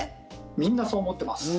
みんなそう思ってます。